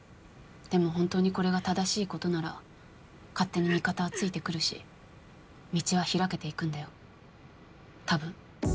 でも本当にこれが正しいことなら勝手に味方はついてくるし道は開けていくんだよ多分。